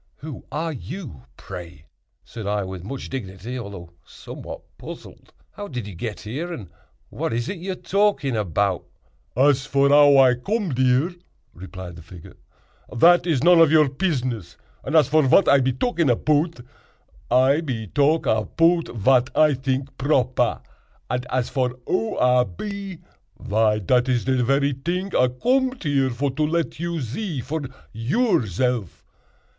"Who are you, pray?" said I, with much dignity, although somewhat puzzled; "how did you get here? and what is it you are talking about?" "Az vor ow I com'd ere," replied the figure, "dat iz none of your pizzness; and as vor vat I be talking apout, I be talk apout vat I tink proper; and as vor who I be, vy dat is de very ting I com'd here for to let you zee for yourzelf."